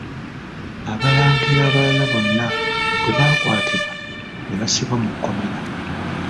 Abalangira abalala bonna bwe baakwatibwa ne bassibwa mu kkomera.